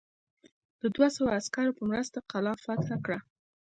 د دوه سوه عسکرو په مرسته قلا فتح کړه.